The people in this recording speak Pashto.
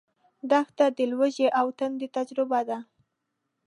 دښته د لوږې او تندې تجربه ده.